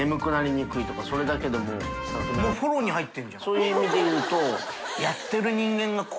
そういう意味でいうと。